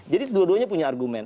jadi dua duanya punya argument